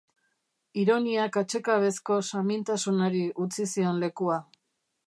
Ironiak atsekabezko samintasunari utzi zion lekua.